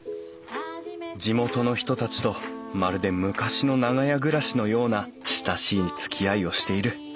地元の人たちとまるで昔の長屋暮らしのような親しいつきあいをしている。